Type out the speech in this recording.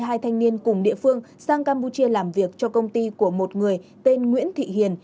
hai thanh niên cùng địa phương sang campuchia làm việc cho công ty của một người tên nguyễn thị hiền